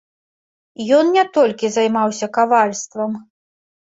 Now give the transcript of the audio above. Ён не толькі займаўся кавальствам.